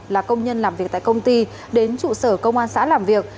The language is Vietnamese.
là công nhân làm việc tại công ty đến trụ sở công an xã làm việc